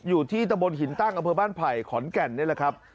อยู่ที่ตะบนหินตั้งอำเภอบ้านไผ่ขอนแก่นนี่แหละครับ